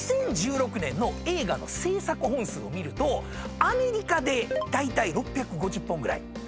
２０１６年の映画の製作本数を見るとアメリカでだいたい６５０本ぐらい。